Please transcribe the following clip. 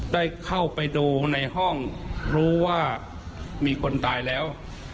ได้เข้าไปดูในห้องรู้ว่ามีคนตายแล้ว